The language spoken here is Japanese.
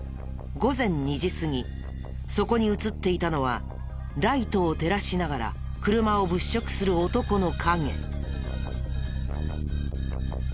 午前２時すぎそこに映っていたのはライトを照らしながら車を物色する男の影。